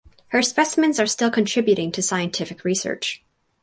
Her specimens are still contributing to scientific research.